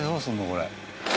これ。